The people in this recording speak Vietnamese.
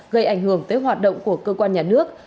gây ảnh hưởng tới hoạt động của cơ quan nhà nước